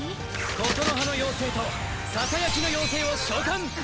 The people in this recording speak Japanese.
ことのはの妖精とささやきの妖精を召喚！